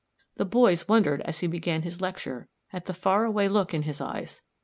The boys wondered as he began his lecture at the far away look in his eyes.